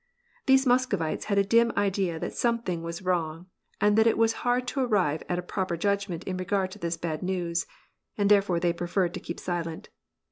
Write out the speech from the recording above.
These Moscovites had a dim idea that something was wrong JRud that it was hard to arrive at a proper judgment in regard to this bad news, and therefore they preferred to keep silent.